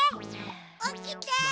おきて！